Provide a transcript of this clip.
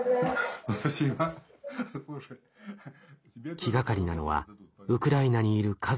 気がかりなのはウクライナにいる家族。